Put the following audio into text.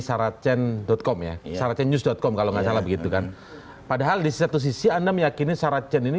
saracen com ya saracen news com kalau nggak salah begitu kan padahal di satu sisi anda meyakini saracen ini